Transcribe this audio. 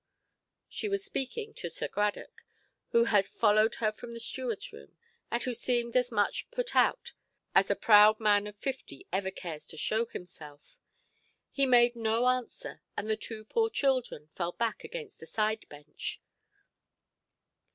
She was speaking to Sir Cradock, who had followed her from the stewardʼs room, and who seemed as much put out as a proud man of fifty ever cares to show himself. He made no answer, and the two poor children fell back against a side–bench.